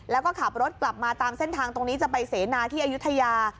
แล้วก็ขับรถกลับมาตามเส้นทางตรงนี้จะไปเสนาที่อายุทยา